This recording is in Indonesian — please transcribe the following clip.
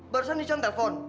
barusan dicom telepon